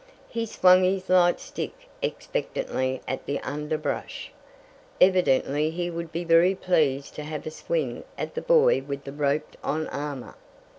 He swung his light stick expectantly at the underbrush. Evidently he would be very pleased to have a swing at the boy with the roped on armor.